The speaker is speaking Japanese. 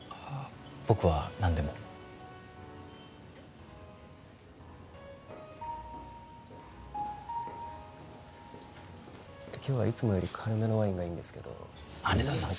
僕は何でも今日はいつもより軽めのワインがいいんですけど羽田さん